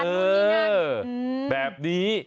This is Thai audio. หรือนั่นแบบนี้